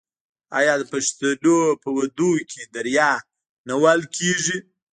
آیا د پښتنو په ودونو کې دریا نه وهل کیږي؟